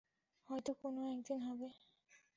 হয়তো কোন একদিন হবে।